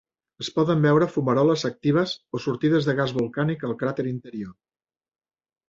Es poden veure fumaroles actives o sortides de gas volcànic al cràter interior.